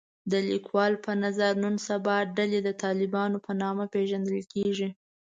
د لیکوال په نظر نن سبا ډلې د طالبانو په نامه پېژندل کېږي